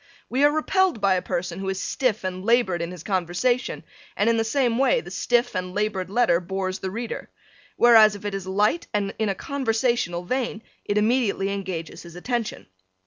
We are repelled by a person who is stiff and labored in his conversation and in the same way the stiff and labored letter bores the reader. Whereas if it is light and in a conversational vein it immediately engages his attention.